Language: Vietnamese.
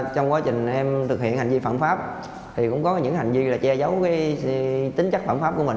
trong quá trình em thực hiện hành vi phạm pháp thì cũng có những hành vi là che giấu tính chất phẩm pháp của mình